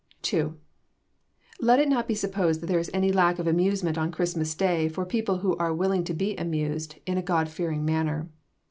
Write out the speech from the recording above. II. Let it not be supposed that there is any lack of amusement on Christmas day for people who are willing to be amused in a God fearing manner.